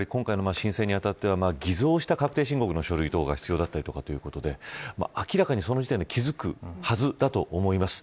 今回の申請にあたっては偽造した確定申告の書類などが必要だったりということで明らかにその時点で気付くはずだと思います。